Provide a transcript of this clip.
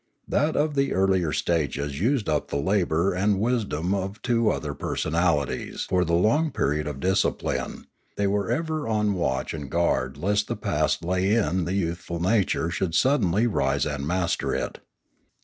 That of the earlier stages used up the labour and wis dom of two other personalities for the long period of discipline; they were ever on watch and guard lest the past that lay in the youthful nature should suddenly rise and master it.